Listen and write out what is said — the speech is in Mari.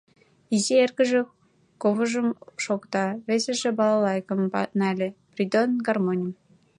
— Изи эргыже ковыжым шокта, весыже балалайкым нале, Придон — гармоньым.